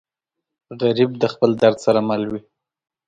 غریب د خپل درد سره مل وي